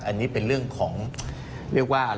อันนี้เป็นเรื่องของเรียกว่า